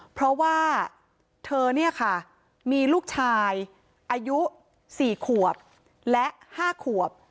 เพราะว่าเธอเนี่ยค่ะมีลูกชายอายุ๔ขวบและ๕ขวบ